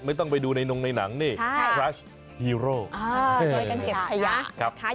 ไม่ต้องไปดูในนมในนางนี่ช่วยกันเก็บขยะ